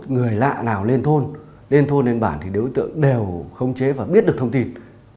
người lạ nào lên thôn lên thôn lên bản thì đối tượng đều không chế và biết được thông tin